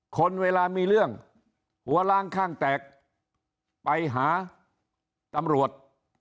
คนเวลามีเรื่องหัวล้างข้างแตกไปหาตำรวจ